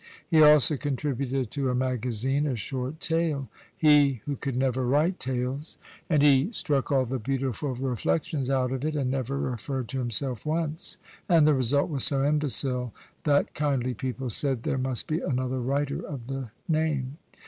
He also contributed to a magazine a short tale, he who could never write tales, and he struck all the beautiful reflections out of it, and never referred to himself once, and the result was so imbecile that kindly people said there must be another writer of the same name.